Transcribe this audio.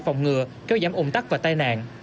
phòng ngừa kéo giảm ủng tắc và tai nạn